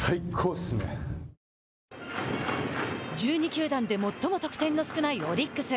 １２球団で最も得点の少ないオリックス。